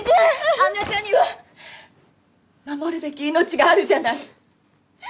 あなたには守るべき命があるじゃない！